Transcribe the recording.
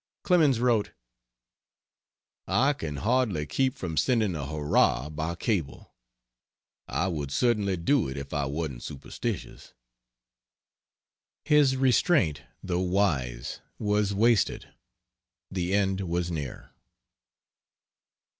Clemens wrote: "I can hardly keep from sending a hurrah by cable. I would certainly do it if I wasn't superstitious." His restraint, though wise, was wasted the end was near.